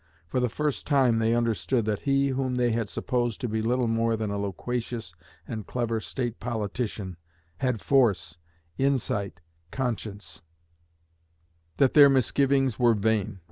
For the first time they understood that he whom they had supposed to be little more than a loquacious and clever State politician, had force, insight, conscience; that their misgivings were vain....